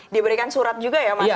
diberikan surat juga ya mas ya